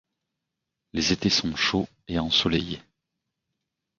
Les étés sont chauds et ensoleillés.